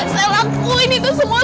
saya lakuin itu semua